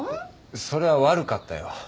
それは悪かったよ。